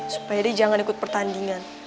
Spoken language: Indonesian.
supaya dia jangan ikut pertandingan